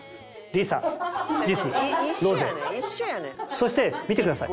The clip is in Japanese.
そして見てください。